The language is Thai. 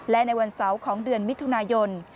และในวันเสาร์ของเดือนมิถุนายน